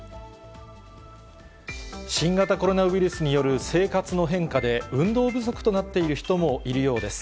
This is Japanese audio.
新型コロナウイルスによる生活の変化で、運動不足となっている人もいるようです。